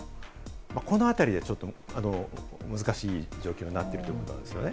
このあたりで難しい状況になっているということなんですね。